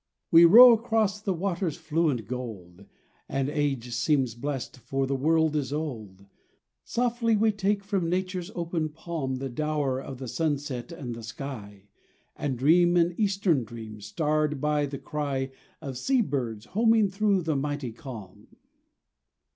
We row across the waters' fluent gold And age seems blessed, for the world is old. Softly we take from Nature's open palm The dower of the sunset and the sky, And dream an Eastern dream, starred by the cry Of sea birds homing through the mighty calm.